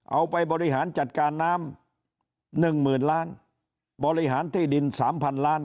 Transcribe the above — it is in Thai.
เอาไปบริหารจัดการน้ำ๑๐๐๐๐ล้านบริหารที่ดิน๓๐๐๐ล้าน